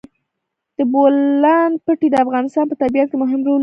د بولان پټي د افغانستان په طبیعت کې مهم رول لري.